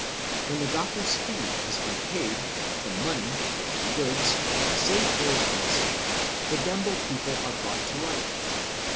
... When the doctor's fee has been paid, and money (goods) saved for a feast, the Ndembo people are brought to life.